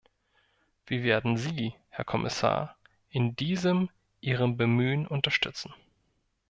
Wir werden Sie, Herr Kommissar, in diesem Ihrem Bemühen unterstützen!